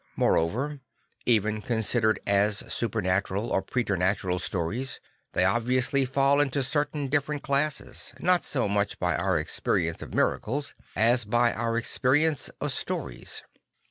Moreover, even considered as supernatural or preternatural stories, they obviously fall into certain different classes, not so much by our experience of miracles as by our experience of stories.